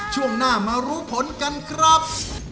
ช่วงหน้ามารู้ผลกันครับ